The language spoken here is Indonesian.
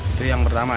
itu yang pertama